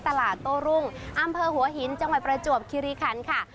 ตลาดโต้รุ่งอำเภอหัวหินจังหวัดประจวบคิริคันค่ะ